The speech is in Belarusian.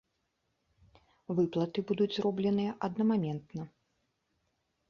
Выплаты будуць зробленыя аднамаментна.